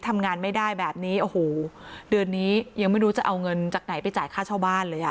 ทำงานไม่ได้แบบนี้โอ้โหเดือนนี้ยังไม่รู้จะเอาเงินจากไหนไปจ่ายค่าเช่าบ้านเลยอ่ะ